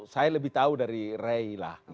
saya lebih tahu dari rey lah